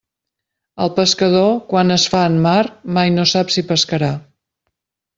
El pescador quan es fa en mar mai no sap si pescarà.